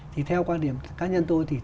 thì theo quan điểm cá nhân tôi thì